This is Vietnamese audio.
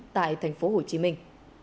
tại thành phố hồ chí minh